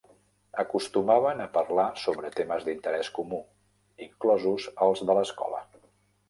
Acostumaven a parlar sobre temes d'interès comú, inclosos els de l'escola.